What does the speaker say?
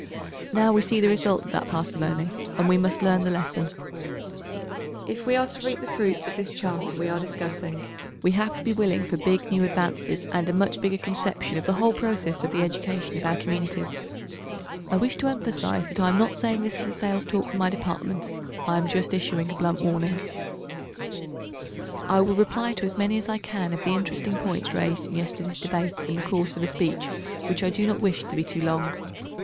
Now we see the result of that parsimony, and we must learn the lesson. If we are to reap the fruits of this Charter we are discussing we have to be willing for big new advances and a much bigger conception of the 862 whole process of the education of our communities. I wish to emphasise that I am not saying this as a sales talk for my Department. I am just issuing a blunt warning, I will reply to as many as I can of the interesting points raised in yesterday's Debate in the course of a speech which I do not wish to be too long.